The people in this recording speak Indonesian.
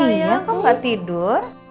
iya kok gak tidur